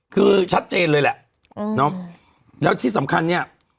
คือชัดเจนเลยแหละแล้วที่สำคัญเนี่ย